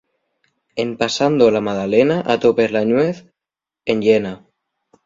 En pasando la Madalena, atopes la ñuez enllena.